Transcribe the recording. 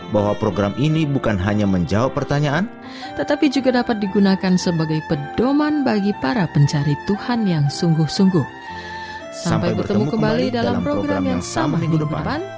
sampai bertemu kembali dalam program yang sama minggu depan